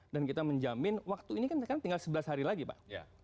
dan kita menjamin waktu ini kan tinggal sebelas hari lagi pak